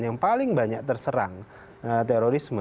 yang paling banyak terserang terorisme